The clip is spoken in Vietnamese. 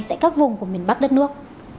tại các vùng của miền bắc đất nước